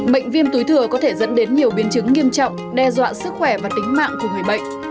bệnh viêm túi thừa có thể dẫn đến nhiều biến chứng nghiêm trọng đe dọa sức khỏe và tính mạng của bệnh viêm túi thừa